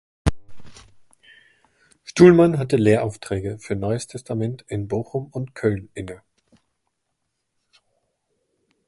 Stuhlmann hatte Lehraufträge für Neues Testament in Bochum und Köln inne.